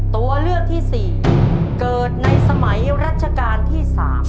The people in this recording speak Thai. ตัวเลือกที่๔เกิดในสมัยรัชกาลที่๓